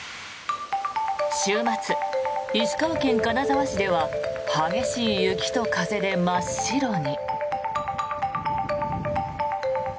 週末、石川県金沢市では激しい雪と風で真っ白に。